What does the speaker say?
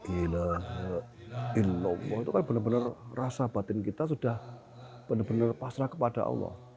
ilah itu kan benar benar rasa batin kita sudah benar benar pasrah kepada allah